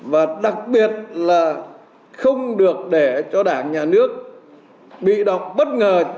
và đặc biệt là không được để cho đảng nhà nước bị đọc bất ngờ